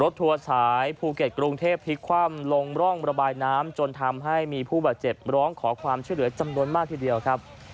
ทัวร์สายภูเก็ตกรุงเทพพลิกคว่ำลงร่องระบายน้ำจนทำให้มีผู้บาดเจ็บร้องขอความช่วยเหลือจำนวนมากทีเดียวครับ